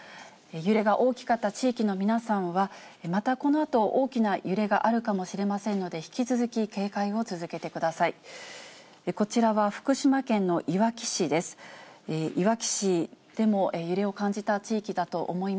揺れが大きかった地域の皆さんは、またこのあと大きな揺れがあるかもしれませんので、引き続き警戒を続けてください。